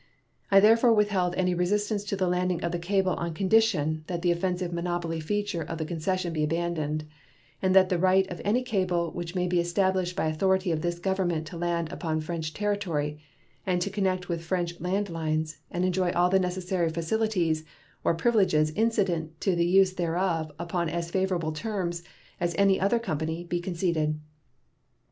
I therefore withheld any resistance to the landing of the cable on condition that the offensive monopoly feature of the concession be abandoned, and that the right of any cable which may be established by authority of this Government to land upon French territory and to connect with French land lines and enjoy all the necessary facilities or privileges incident to the use thereof upon as favorable terms as any other company be conceded.